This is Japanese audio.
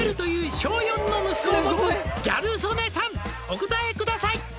「お答えください」